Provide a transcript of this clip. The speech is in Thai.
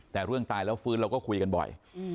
แต่เรื่องตายแล้วฟื้นเราก็คุยกันบ่อย